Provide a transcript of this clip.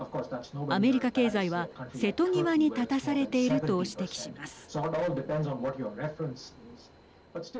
アメリカ経済は瀬戸際に立たされていると指摘します。